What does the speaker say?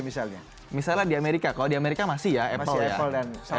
misalnya di amerika kalau di amerika masih ya apple ya